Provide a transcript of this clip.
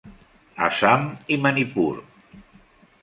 Assam i Manipur.